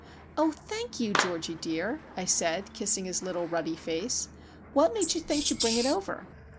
"Oh, thank you, Georgie dear," I said, kissing his little ruddy face. "What made you think to bring it over?"